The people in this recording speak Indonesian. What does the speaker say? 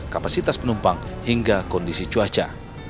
kapasitas penumpang hingga kondisi cuaca